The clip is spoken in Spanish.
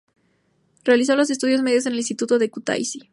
Realizó los estudios medios en el instituto de Kutaisi.